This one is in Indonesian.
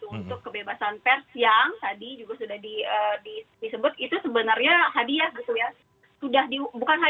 untuk kebebasan pers yang tadi juga sudah disebut itu sebenarnya hadiah gitu ya